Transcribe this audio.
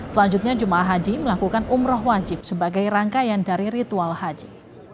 selanjutnya jemaah haji melakukan umroh wajib sebagai rangkaian dari ritual haji